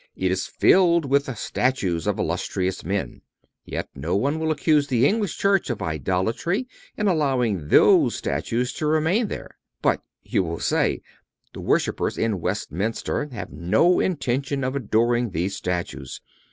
It is filled with the statues of illustrious men; yet no one will accuse the English church of idolatry in allowing those statues to remain there. But you will say: The worshipers in Westminster have no intention of adoring these statues.